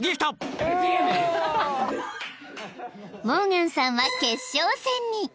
［モーガンさんは決勝戦に］